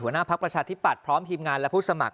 หัวหน้าพักประชาธิบัติพร้อมทีมงานและผู้สมัคร